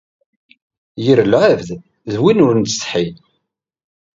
Yir lɛebd d win ur nettsetḥi.